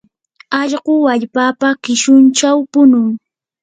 allqu wallpapa qishunchaw punun.